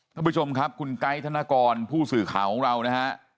ท่านผู้ชมครับคุณไกด์ธนกรผู้สื่อข่าวของเรานะฮะ